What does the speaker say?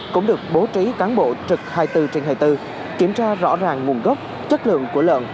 cũng được bố trí cán bộ trực hai mươi bốn trên hai mươi bốn kiểm tra rõ ràng nguồn gốc chất lượng của lợn